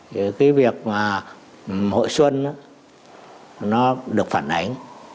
thì cái việc mà hội xuân nó được phản ánh